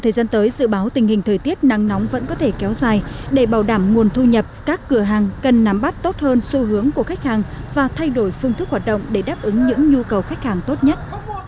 thời gian tới dự báo tình hình thời tiết nắng nóng vẫn có thể kéo dài để bảo đảm nguồn thu nhập các cửa hàng cần nắm bắt tốt hơn xu hướng của khách hàng và thay đổi phương thức hoạt động để đáp ứng những nhu cầu khách hàng tốt nhất